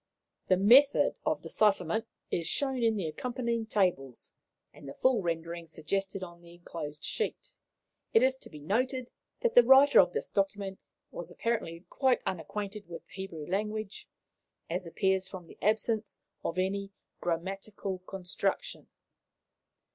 The method of decipherment is shown in the accompanying tables, and the full rendering suggested on the enclosed sheet. It is to be noted that the writer of this document was apparently quite unacquainted with the Hebrew language, as appears from the absence of any grammatical construction.'